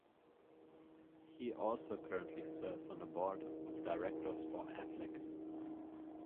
He also currently serves on the Board of Directors for Aflac.